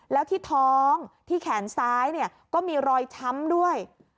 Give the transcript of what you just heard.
แล้วที่ท้องที่แขนซ้ายก็มีรอยช้ำด้วย